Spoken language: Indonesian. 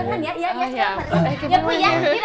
berduanya apa makanya